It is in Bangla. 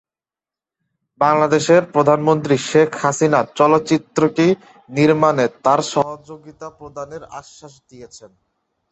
বাংলাদেশের প্রধানমন্ত্রী শেখ হাসিনা চলচ্চিত্রটি নির্মাণে তার সহযোগিতা প্রদানের আশ্বাস দিয়েছেন।